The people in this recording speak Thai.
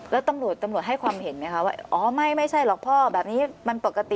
แล้วตำรวจตำรวจให้ความเห็นไหมคะว่าอ๋อไม่ใช่หรอกพ่อแบบนี้มันปกติ